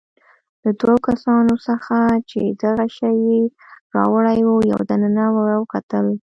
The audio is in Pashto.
له دوو کسانو څخه چې دغه شی يې راوړی وو، یو دننه راوکتل.